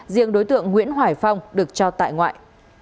riêng đối tượng nguyễn hoài phong được cho tại ngoại